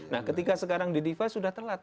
nah ketika sekarang di defi sudah telat